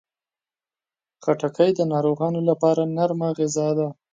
خټکی د ناروغانو لپاره نرم غذا ده.